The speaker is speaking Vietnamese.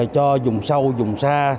cho dùng sâu dùng xa